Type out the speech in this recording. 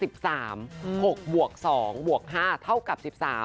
๖บวก๒บวก๕เท่ากับ๑๓